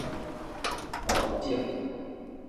盤整